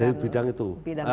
dari bidang itu